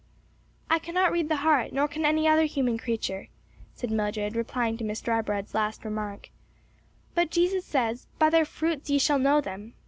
"I can not read the heart, nor can any other human creature," said Mildred, replying to Miss Drybread's last remark; "but Jesus says, 'By their fruits ye shall know them.'